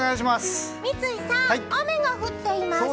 三井さん、雨が降っています。